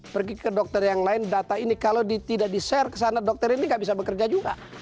pergi ke dokter yang lain data ini kalau tidak di share ke sana dokter ini tidak bisa bekerja juga